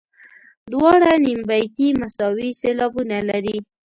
دواړه نیم بیتي مساوي سېلابونه لري.